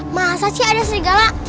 masa sih ada serigala